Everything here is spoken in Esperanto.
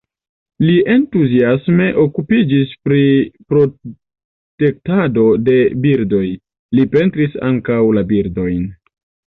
Li entuziasme okupiĝis pri protektado de birdoj, li pentris ankaŭ la birdojn.